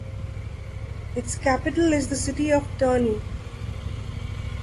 Its capital is the city of Terni.